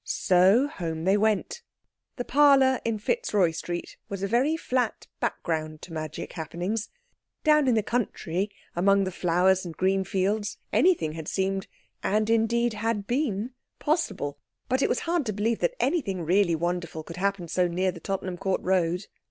So home they went. The parlour in Fitzroy Street was a very flat background to magic happenings. Down in the country among the flowers and green fields anything had seemed—and indeed had been—possible. But it was hard to believe that anything really wonderful could happen so near the Tottenham Court Road.